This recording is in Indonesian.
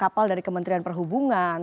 kapal dari kementerian perhubungan